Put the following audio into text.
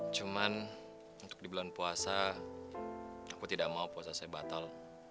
cuman untuk di bulan puasa aku tidak mau puasa saya batal